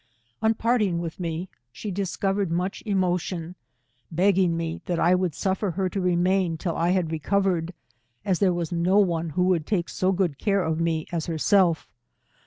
168 On pirtiog with me, she discovered much eiiio tiou, beggiug me that I would suffer her to remaiu till I had recovered, as there was no one who would take so good care of me as herself.